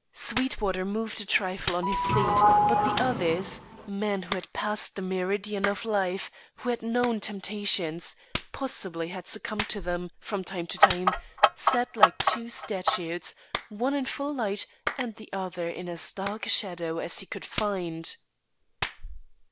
Sweetwater moved a trifle on his seat, but the others men who had passed the meridian of life, who had known temptations, possibly had succumbed to them, from time to time sat like two statues, one in full light and the other in as dark a shadow as he could find.